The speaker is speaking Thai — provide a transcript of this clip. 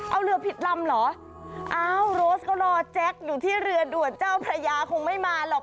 เอาเรือผิดลำเหรออ้าวโรสก็รอแจ็คอยู่ที่เรือด่วนเจ้าพระยาคงไม่มาหรอก